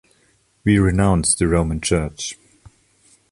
We renounce the Roman Church.